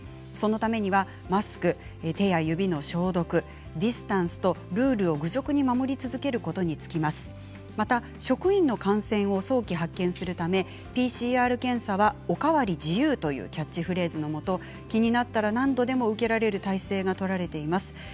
そのためには、マスク手指の消毒ディスタンスとルールを愚直に守り続けることでいってきますまた職員の感染を早期発見するためＰＣＲ検査は、お代わり自由というキャッチフレーズのもと気になったら何度でも受けられる体制が取られています。